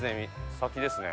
先ですね。